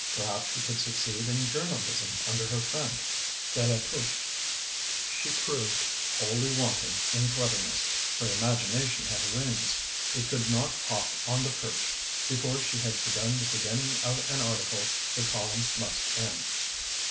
Perhaps she could succeed in journalism under her friend Delatouche; she proved wholly wanting in cleverness; her imagination had wings; it could not hop on the perch; before she had begun the beginning of an article the column must end.